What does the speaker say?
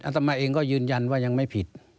ต่อมาเองก็ยืนยันว่ายังไม่ผิด